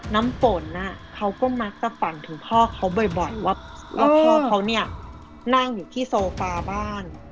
น้ำฝนเขาก็มักจะฝันถึงพ่อเขาบ่อยว่าพ่อเขาเนี่ยนั่งอยู่ที่โซฟาบ้าน